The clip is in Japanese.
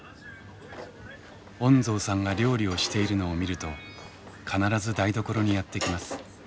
恩蔵さんが料理をしているのを見ると必ず台所にやって来ます。